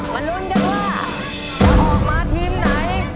ลุ้นกันว่าจะออกมาทีมไหน